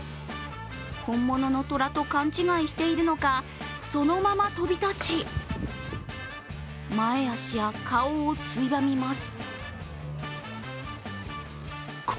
本物のトラと勘違いしているのかそのまま飛び立ち前足や顔をついばみます。